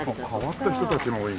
変わった人たちが多いね。